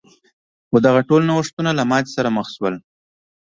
خو دغه ټول نوښتونه له ماتې سره مخ شول.